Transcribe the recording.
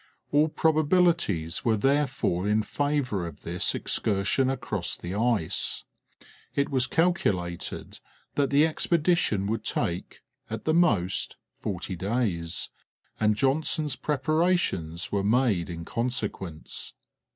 All probabilities were therefore in favour of this excursion across the ice. It was calculated that the expedition would take, at the most, forty days, and Johnson's preparations were made in consequence.